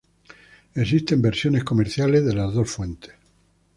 Existen versiones comerciales de las dos fuentes.